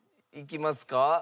いきますか？